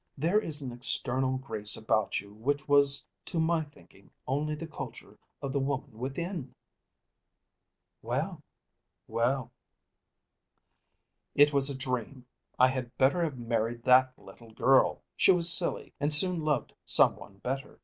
There is an external grace about you which was to my thinking only the culture of the woman within." "Well; well." "It was a dream. I had better have married that little girl. She was silly, and soon loved some one better.